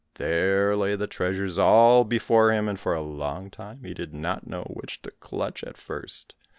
There lay the treasures all before him, and for a long time he did not know which to clutch at first.